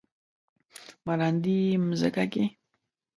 مراندې يې مځکه کې ،